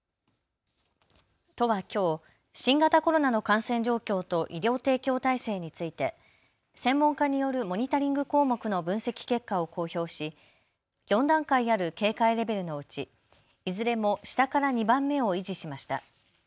都はきょう、新型コロナの感染状況と医療提供体制について専門家によるモニタリング項目の分析結果を公表し４段階ある警戒レベルのうちいずれも下から２番目を維持しました。